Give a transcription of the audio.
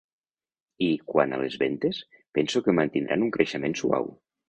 I, quant a les vendes, penso que mantindran un creixement suau.